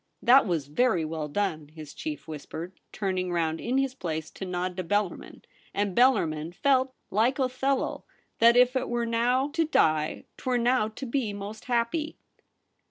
' That was very well done,' his chief whispered, turning round in his place to nod to Bellar min ; and Bellarmin felt, like Othello, that ' if it were now to die, 'twere now to be most happy.'